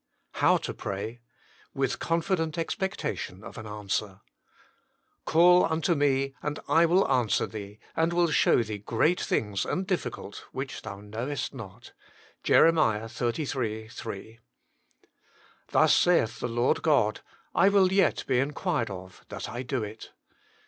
now TO PRAY. tSSillj 0nKiittt (Expetlatton of an ^nslurr "Call unto Me, and I will answer thee, and will shew thee great things and difficult, which thou knowest not." JF.R. xxxiii. 3. " Thus saith the Lord God : I will yet be inquired of, that I do it."